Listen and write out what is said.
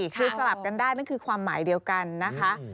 คือสลับกันได้นั่นคือความหมายเดียวกันนะคะ